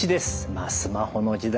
まあスマホの時代